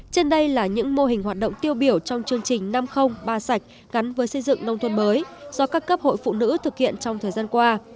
trên đây là những mô hình hoạt động tiêu biểu trong chương trình năm trăm linh ba sạch gắn với xây dựng nông thôn mới do các cấp hội phụ nữ thực hiện trong thời gian qua